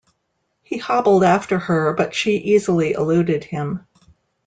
He hobbled after her, but she easily eluded him.